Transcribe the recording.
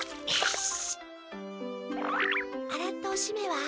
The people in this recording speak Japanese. あらったおしめは？